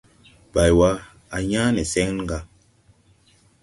Baywa, a yãã ne seŋ ga.